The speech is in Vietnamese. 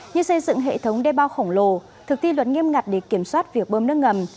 như xây dựng hệ thống đê bao khổng lồ thực thi luật nghiêm ngặt để kiểm soát việc bơm nước ngầm